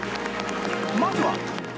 まずは